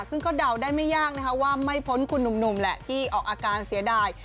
ซึ่งก็เดาได้ไม่ยากนะคะว่าไม่พ้นคุณหนุ่มแหละที่ออกอาการเสียดาย